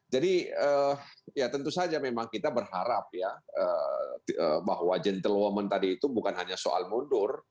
jadi ya tentu saja memang kita berharap ya bahwa gentlewoman tadi itu bukan hanya soal mundur